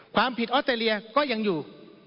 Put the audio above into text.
ความผิดออสเตรเลียก็ยังอยู่